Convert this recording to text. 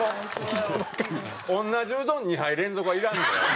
同じうどん２杯連続はいらん。